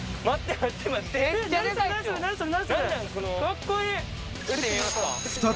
撃ってみますか。